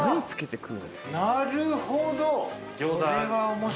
なるほど。